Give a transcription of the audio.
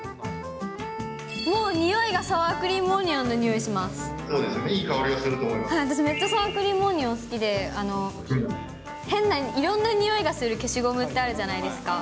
もう匂いが、サワークリームそうですね、いい香りがする私、めっちゃサワークリームオニオン好きで、いろんな匂いがする消しゴムってあるじゃないですか。